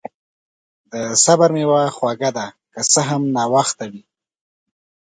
د صبر میوه خوږه ده، که څه هم ناوخته وي.